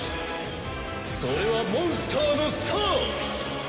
それはモンスターのスター！